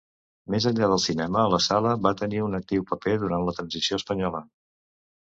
Més enllà del cinema, la sala va tenir un actiu paper durant la Transició Espanyola.